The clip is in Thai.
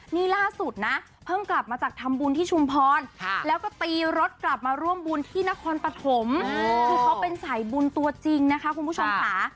นี่ล่าสุดนะเพิ่งกลับมาจากทำบุญที่ชุมพรแล้วก็ตีรถกลับมาร่วมบุญที่นครปฐมคือเขาเป็นสายบุญตัวจริงนะคะคุณผู้ชมค่ะ